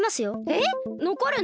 えっ！？のこるの！？